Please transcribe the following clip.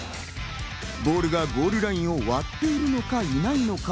ボールがゴールラインを割っているのか、いないのか。